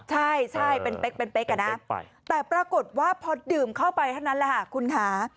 ใช่เป็นเป๊กนะแต่ปรากฏว่าพอดื่มเข้าไปเท่านั้นคุณค้า